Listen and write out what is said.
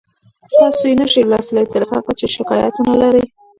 تاسو یې نشئ لوستلی تر هغه چې شکایت ونلرئ